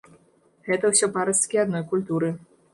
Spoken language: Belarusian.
Гэта ўсё парасткі адной культуры.